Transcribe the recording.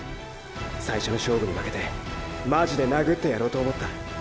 最初の勝負に負けてマジで殴ってやろうと思った。